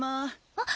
あっ！